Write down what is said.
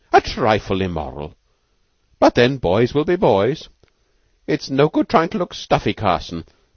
"A trifle immoral, but then boys will be boys. It's no good tryin' to look stuffy, Carson.